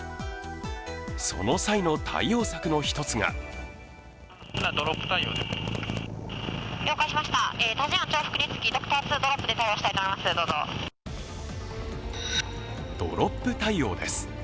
その際の対応策の１つがドロップ対応です。